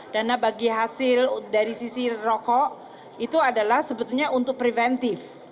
dana bagi hasil dari sisi rokok itu adalah sebetulnya untuk preventif